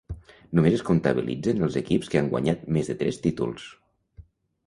Només es comptabilitzen els equips que han guanyat més de tres títols.